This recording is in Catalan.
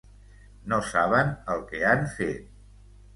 No saben el que han fet.